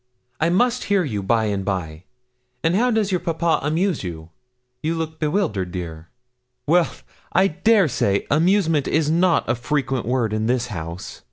I must hear you by and by. And how does your papa amuse you? You look bewildered, dear. Well, I dare say, amusement is not a frequent word in this house.